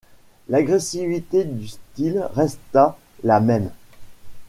L'agressivité du style resta la même.